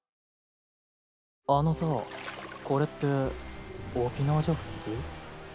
あのさこれって沖縄じゃ普通？